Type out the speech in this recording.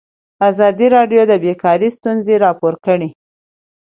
ازادي راډیو د بیکاري ستونزې راپور کړي.